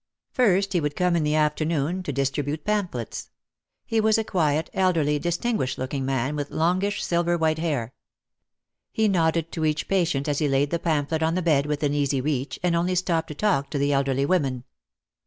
First he would come in the after noon to distribute pamphlets. He was a quiet, elderly, distinguished looking man with longish silver white hair. He nodded to each patient as he laid the pamphlet on the bed within easy reach, and only stopped to talk to the elderly women.